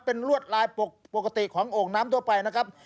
เป็นลวดลายปกติของโอ่งน้ำทั่วไปนะครับ